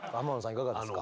いかがですか？